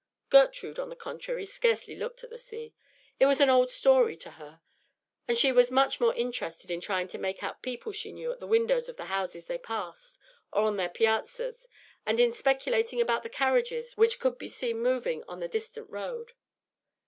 Gertrude, on the contrary, scarcely looked at the sea. It was an old story to her; and she was much more interested in trying to make out people she knew at the windows of the houses they passed, or on their piazzas, and in speculating about the carriages which could be seen moving on the distant road.